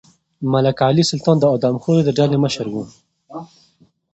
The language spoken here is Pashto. ملک علي سلطان د آدمخورو د ډلې مشر و.